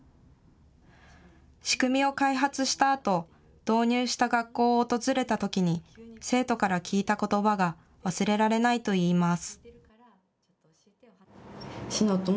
仕組みを開発したあと、導入した学校を訪れたときに、生徒から聞いたことばが忘れられないといいます。